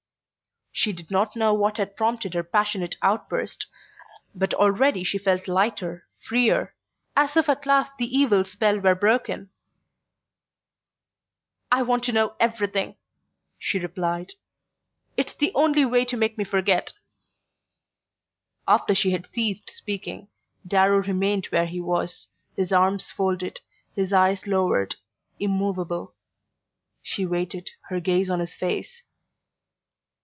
She did not know what had prompted her passionate outburst, but already she felt lighter, freer, as if at last the evil spell were broken. "I want to know everything," she repeated. "It's the only way to make me forget." After she had ceased speaking Darrow remained where he was, his arms folded, his eyes lowered, immovable. She waited, her gaze on his face.